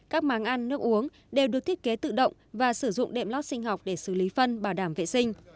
các máng ăn nước uống đều được thiết kế tự động và sử dụng đệm lót sinh học để xử lý phân bảo đảm vệ sinh